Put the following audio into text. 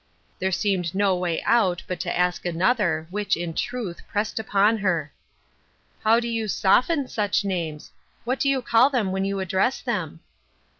There seemed no way out but to ask another, which, in truth, pressed upon her. "How do you soften such names? What do you call them when you address them